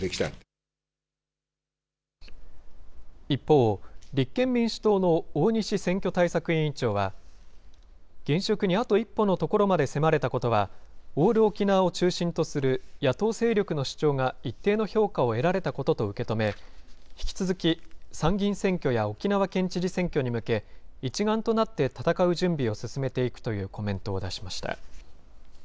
一方、立憲民主党の大西選挙対策委員長は、現職にあと一歩のところまで迫れたことは、オール沖縄を中心とする野党勢力の主張が一定の評価を得られたことと受け止め、引き続き、参議院選挙や沖縄県知事選挙に向け、一丸となって戦う準備を進めていくというコメントを出しました。